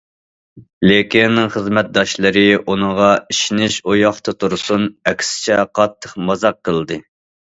لېكىن خىزمەتداشلىرى ئۇنىڭغا ئىشىنىش ئۇ ياقتا تۇرسۇن، ئەكسىچە قاتتىق مازاق قىلدى.